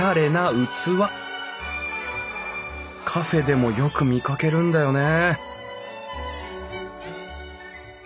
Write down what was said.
カフェでもよく見かけるんだよね